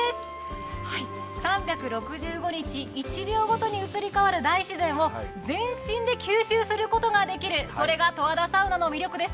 ３６５日、１秒ごとに移り変わる大自然を全身で吸収することができる、それが十和田サウナの魅力です。